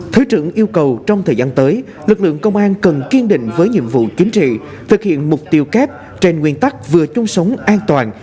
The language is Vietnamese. thứ trưởng yêu cầu trong thời gian tới lực lượng công an cần kiên định với nhiệm vụ chính trị thực hiện mục tiêu kép trên nguyên tắc vừa chung sống an toàn